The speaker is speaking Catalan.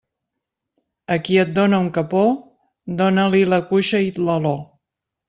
Al qui et dóna un capó, dóna-li la cuixa i l'aló.